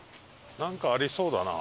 なんかありそうだな。